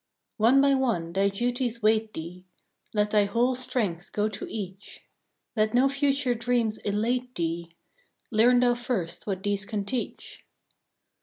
One by one thy duties wait thee, Let thy whole strength go to each, Let no future dreams elate thee, Learn thou first what these can teach.